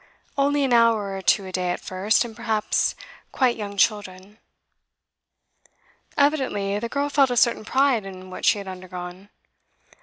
Only an hour or two a day at first, and perhaps quite young children.' Evidently the girl felt a certain pride in what she had undergone.